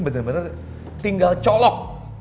benar benar tinggal colok